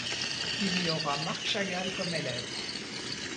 Il y aura Marc Chagall comme élève.